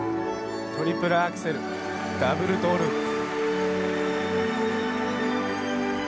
トリプルアクセルダブルトウループ。